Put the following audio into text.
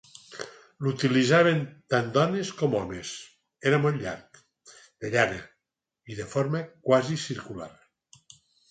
L'utilitzaven tant dones com homes, era molt llarg, de llana i de forma quasi circular.